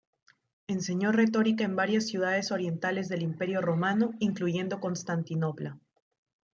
Enseñó retórica en varias ciudades orientales del Imperio romano, incluyendo Constantinopla.